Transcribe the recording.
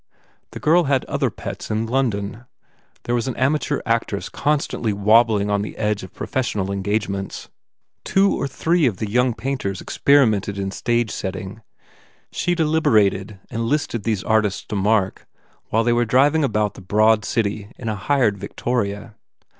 The girl had other pets in London. There was an amateur actress constantly wobbling on the ed^e of professional engagements. Two 236 BUBBLE or three of the young painters experimented in stage setting. She deliberated and listed these artists to Mark while they were driving about the broad city in a hired victoria.